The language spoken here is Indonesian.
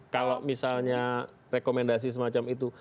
kalau misalnya rekomendasi semacam itu